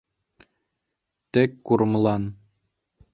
тек курымлан.